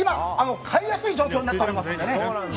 買いやすい状況になっていますね。